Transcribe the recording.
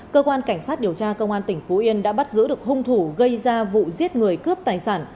cơ quan cảnh sát điều tra công an tỉnh phú yên đã bắt giữ được hung thủ gây ra vụ giết người cướp tài sản